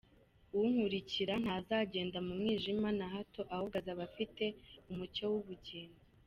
unkurikira ntazagenda mu mwijima na hato, ahubwo azaba afite umucyo w'ubugingo.